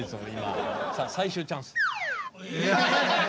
さあ最終チャンス。